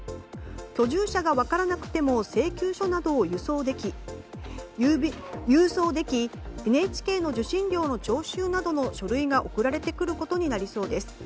居住者が分からなくても請求書などを郵送できＮＨＫの受信料の徴収などの書類が送られてくることになりそうです。